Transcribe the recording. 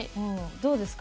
どうですか？